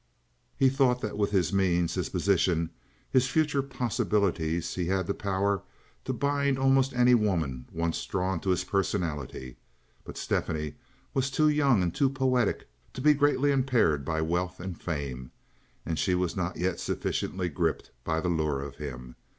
He thought that with his means, his position, his future possibilities he had the power to bind almost any woman once drawn to his personality; but Stephanie was too young and too poetic to be greatly impaired by wealth and fame, and she was not yet sufficiently gripped by the lure of him.